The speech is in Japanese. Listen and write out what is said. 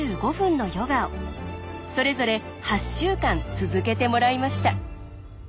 それぞれ８週間続けてもらいました。